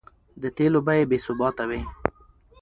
د تېلو بیې بې ثباته وې؛